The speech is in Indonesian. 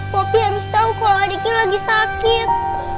poppy harus tau kalau adiknya lagi sakit